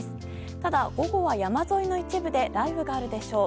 ただ、午後は山沿いの一部で雷雨があるでしょう。